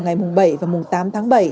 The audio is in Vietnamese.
ngày bảy và tám tháng bảy